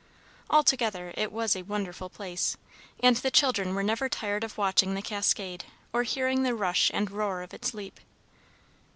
Altogether it was a wonderful place, and the children were never tired of watching the cascade or hearing the rush and roar of its leap.